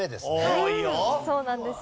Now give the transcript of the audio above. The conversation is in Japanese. はいそうなんです。